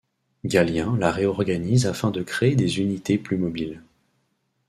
Gallien la réorganise afin de créer des unités plus mobiles.